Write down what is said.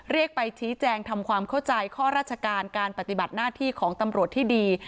เรียกไปชี้แจงทำความเข้าใจข้อราชการการปฏิบัติหน้าที่ของตำรวจที่ดี